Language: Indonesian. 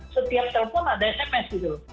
setiap telpon ada sms gitu